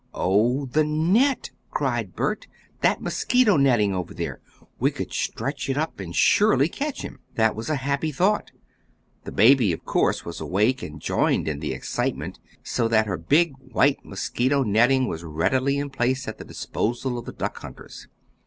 "Oh, the net!" cried Bert, "that mosquito netting over there. We could stretch it up and surely catch him." This was a happy thought. The baby, of course, was awake and joined in the excitement, so that her big white mosquito netting was readily placed at the disposal of the duck hunters.